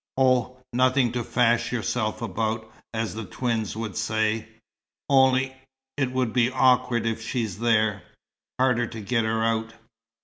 "Oh, nothing to fash yourself about, as the twins would say. Only it would be awkward if she's there. Harder to get her out.